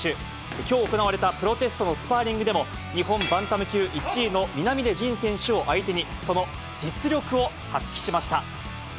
きょう行われたプロテストのスパーリングでも、日本バンタム級１位の南出じん選手を相手に、その実力を発揮しました。